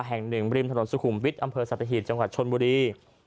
แห่งหนึ่งริมถนนสุขุมวิทย์อำเภอสัตหีบจังหวัดชนบุรี